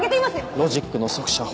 ロジックの速射砲。